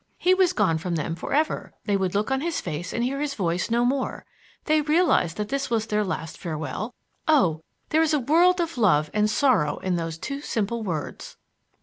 He was gone from them for ever; they would look on his face and hear his voice no more; they realized that this was their last farewell. Oh, there is a world of love and sorrow in those two simple words!"